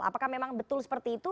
apakah memang betul seperti itu